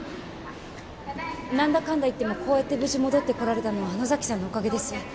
なんだかんだ言ってもこうやって無事戻ってこられたのは野崎さんのおかげです